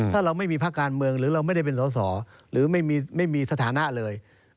ถ้าเราไม่มีภาคการเมืองหรือเราไม่ได้เป็นสอสอหรือไม่มีสถานะเลย